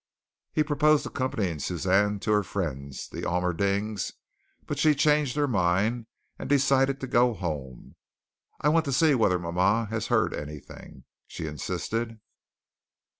He proposed accompanying Suzanne to her friends, the Almerdings, but she changed her mind and decided to go home. "I want to see whether mama has heard anything," she insisted.